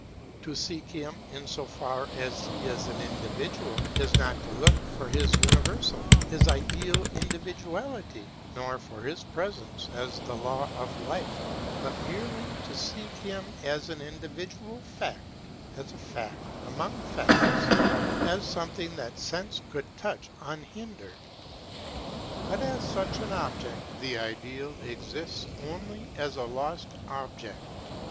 To seek him in so far as he is an indi vidual is not to look for his universal, his ideal individuality, nor for his presence as the law of life, * but merely to seek him as an individual thing, as a fact amongst facts, 2 as something that sense could touch unhindered. But as such an object the Ideal exists only as a lost object.